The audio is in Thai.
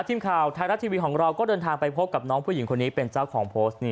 ทีมข่าวไทยรัฐทีวีของเราก็เดินทางไปพบกับน้องผู้หญิงคนนี้เป็นเจ้าของโพสต์นี้